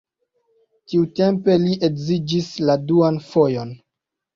Tiutempe li edziĝis la duan fojon.